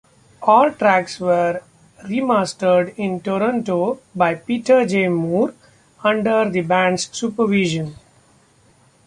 All tracks were remastered in Toronto by Peter J. Moore under the band's supervision.